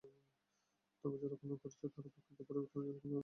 তবে যাঁরা খনন করেছেন, তাঁরা প্রকৃতি পরিবর্তনের জন্য কোনো আবেদন করেননি।